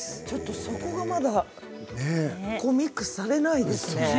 そこがまだミックスされないですね。